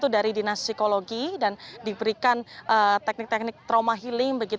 dari dinas psikologi dan diberikan teknik teknik trauma healing